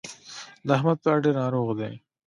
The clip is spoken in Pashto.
د احمد پلار ډېر ناروغ دی.